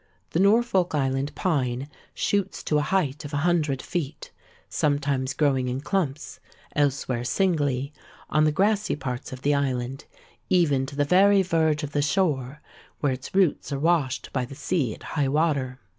The Norfolk Island pine shoots to a height of a hundred feet,—sometimes growing in clumps, elsewhere singly, on the grassy parts of the island, even to the very verge of the shore, where its roots are washed by the sea at high water.